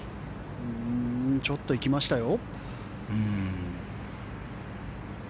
ちょっと行きましたよ。